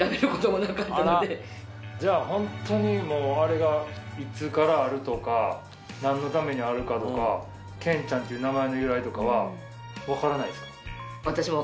じゃあホントにもうあれがいつからあるとか何のためにあるかとか健ちゃんっていう名前の由来は。